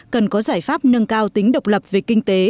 cần có giải pháp nâng cao tính độc lập về kinh tế